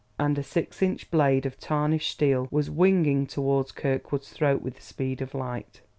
And a six inch blade of tarnished steel was winging toward Kirkwood's throat with the speed of light.